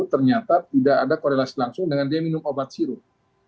ternyata tidak ada korelasi langsung dengan dia minum obat sirup